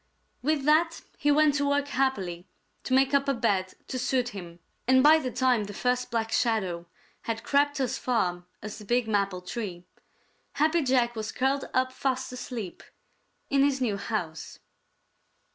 With that he went to work happily to make up a bed to suit him, and by the time the first Black Shadow had crept as far as the big maple tree, Happy Jack was curled up fast asleep in his new house.